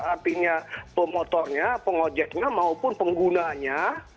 artinya pemotornya pengojeknya maupun penggunanya